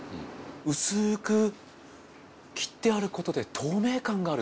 薄く切ってあることで透明感がある。